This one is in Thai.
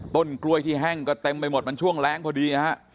ต้นกล้วยที่แห้งก็เต็มไปหมดมันช่วงแรงพอดีนะฮะ